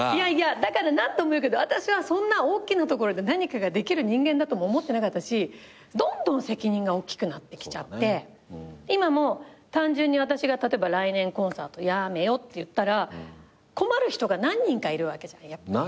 だから何度も言うけど私はそんなおっきなところで何かができる人間だとも思ってなかったしどんどん責任がおっきくなってきちゃって今も単純に私が例えば来年コンサートやめようって言ったら困る人が何人かいるわけじゃん。